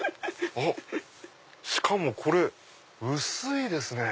しかもこれ薄いですね。